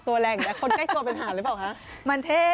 เท่